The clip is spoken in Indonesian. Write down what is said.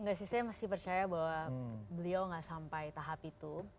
enggak sih saya masih percaya bahwa beliau nggak sampai tahap itu